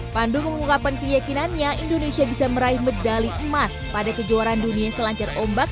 pandu mengungkapkan keyakinannya indonesia bisa meraih medali emas pada kejuaraan dunia selancar ombak